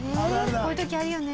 こういう時あるよね。